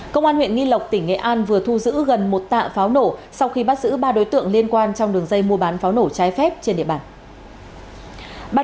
công an huyện nghi lộc tỉnh nghệ an vừa thu giữ gần một tạ pháo nổ sau khi bắt giữ ba đối tượng liên quan trong đường dây mua bán pháo nổ trái phép trên địa bàn